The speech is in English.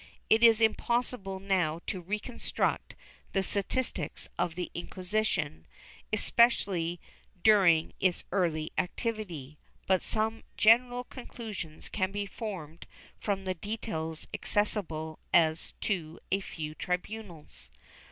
It is impossible now to reconstruct the statistics of the Inquisition, especially during its early activity, but some general concliLsions can be formed from the details accessible as to a few tribunals.